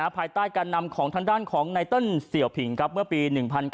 ภายใต้การนำของทางด้านของไนเติ้ลเสี่ยวผิงเมื่อปี๑๙